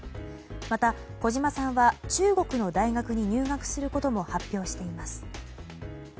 また、小島さんは中国の大学に入学することも発表しています。